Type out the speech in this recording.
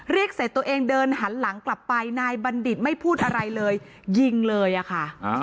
เรียกเสร็จตัวเองเดินหันหลังกลับไปนายบัณฑิตไม่พูดอะไรเลยยิงเลยอะค่ะ